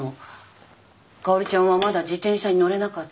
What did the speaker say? かおりちゃんはまだ自転車に乗れなかったって。